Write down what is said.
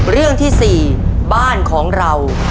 เรื่องที่๔บ้านของเรา